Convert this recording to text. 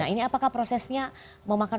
ini apakah prosesnya memakan